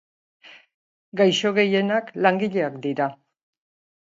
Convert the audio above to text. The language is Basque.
Gaixo gehienak langileak dira.